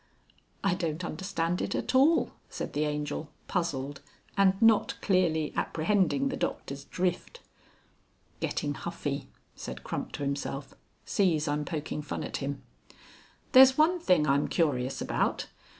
"I don't understand it at all," said the Angel, puzzled, and not clearly apprehending the Doctor's drift. ("Getting huffy,") said Crump to himself. ("Sees I'm poking fun at him.") "There's one thing I'm curious about.